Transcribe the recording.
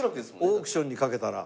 オークションにかけたら。